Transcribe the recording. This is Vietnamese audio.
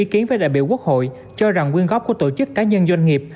ý kiến với đại biểu quốc hội cho rằng quyên góp của tổ chức cá nhân doanh nghiệp